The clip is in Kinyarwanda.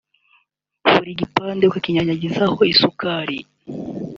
buri gipande ukakinyanyagizaho isukari